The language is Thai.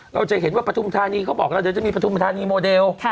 เราจะเห็นว่าปฐุมธานีเขาบอกแล้วเดี๋ยวจะมีประทุมธานีโมเดล